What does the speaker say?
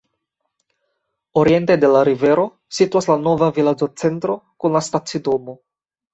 Oriente de la rivero situas la nova vilaĝocentro kun la stacidomo.